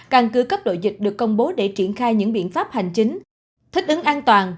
càng cư cấp độ dịch được công bố để triển khai những biện pháp hành chính thích ứng an toàn